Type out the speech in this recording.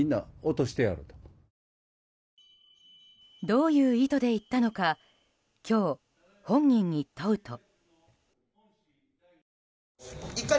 どういう意図で言ったのか今日、本人に問うと。